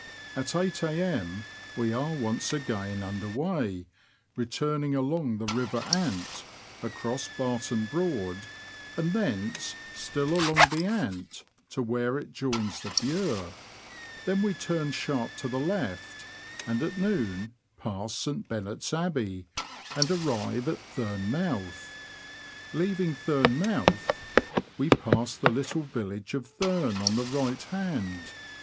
<^T 8 A.M. we are once again under weigh, returning along the river Ant, across Barton L Broad, and thence, still along the Ant, to where it joins the Bure ; then we turn sharp to the left, and at noon pass St. Benet's Abbey, and arrive at Thurne Mouth. Leaving Thurne Mouth, we pass the little village of Thurne on the right hand.